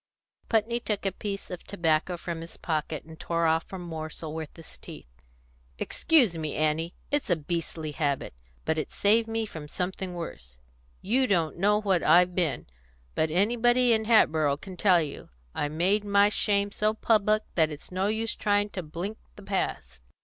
Putney took a piece of tobacco from his pocket, and tore off a morsel with his teeth. "Excuse me, Annie! It's a beastly habit. But it's saved me from something worse. You don't know what I've been; but anybody in Hatboro' can tell you. I made my shame so public that it's no use trying to blink the past.